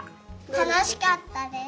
たのしかったです。